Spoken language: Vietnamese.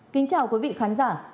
kính chào quý vị khán giả